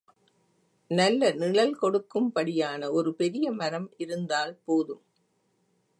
நல்ல நிழல் கொடுக்கும்படியான ஒரு பெரிய மரம் இருந்தால் போதும்.